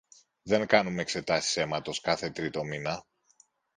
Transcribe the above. δεν κάνουμε εξετάσεις αίματος κάθε τρίτο μήνα